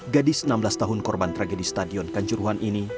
gadis enam belas tahun korban tragedi stadion kanjuruhan ini